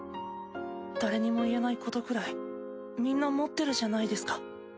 誰にも言えないことくらいみんな持ってるじゃないですか。